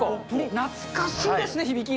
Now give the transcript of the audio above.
懐かしいですね、響き。